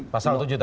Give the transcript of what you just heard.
pasal tujuh tadi ya